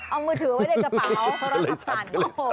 เอามือถือไว้ในกระเป๋าธรรมศัพท์